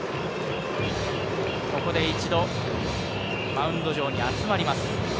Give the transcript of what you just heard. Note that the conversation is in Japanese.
ここで一度マウンド上に集まります。